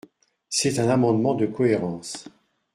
C’est un amendement de cohérence.